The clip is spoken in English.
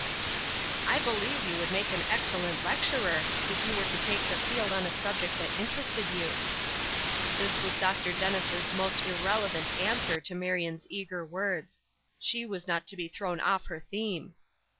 "I believe you would make an excellent lecturer, if you were to take the field on a subject that interested you." This was Dr. Dennis' most irrelevant answer to Marion's eager words. She was not to be thrown off her theme.